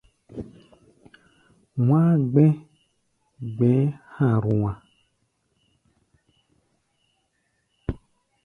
Wá̧á̧ gbɛ̧́ gbɛ̧ɛ̧́ ha̧a̧rua̧a̧.